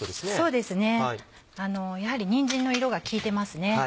そうですねやはりにんじんの色が利いてますね。